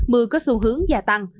mưa có xu hướng gia tăng